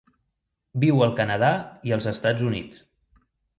Viu al Canadà i els Estats Units.